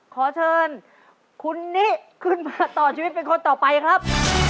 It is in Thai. ขอเชิญคุณนิขึ้นมาต่อชีวิตเป็นคนต่อไปครับ